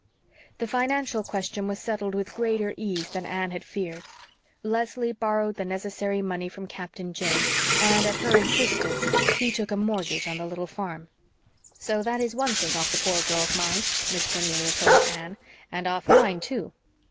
The financial question was settled with greater ease than Anne had feared. Leslie borrowed the necessary money from Captain Jim, and, at her insistence, he took a mortgage on the little farm. "So that is one thing off the poor girl's mind," Miss Cornelia told Anne, "and off mine too.